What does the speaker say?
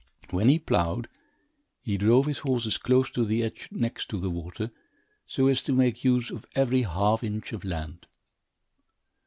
When he ploughed, he drove his horses close to the edge next to the water, so as to make use of every half inch of land.